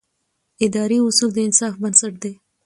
اداري اصول د انصاف بنسټ دی.